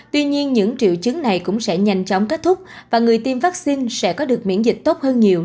tuy nhiên những triệu chứng này cũng sẽ nhanh chóng kết thúc và người tiêm vaccine sẽ có được miễn dịch tốt hơn nhiều